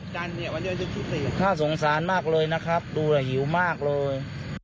น่าสงสารมากเลยนะครับดูแล้วหิวมากเลย